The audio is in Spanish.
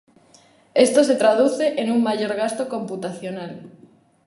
Esto se traduce en un mayor gasto computacional.